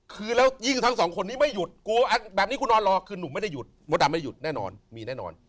คือแล้วยิ่งทั้งสองคนนี้ไม่หยุดกลัวแบบนี้คุณนอนรอคือหนุ่มไม่ได้หยุดมดดำไม่หยุดแน่นอนมีแน่นอน